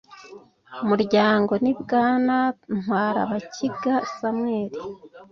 muryango ni bwana ntwarabakiga samuel